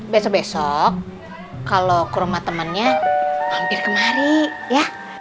besok besok kalo ke rumah temennya mampir kemari ya